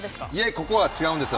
ここは違うんですよ。